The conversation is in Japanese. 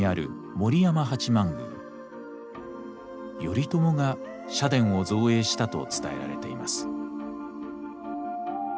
頼朝が社殿を造営したと伝えられています。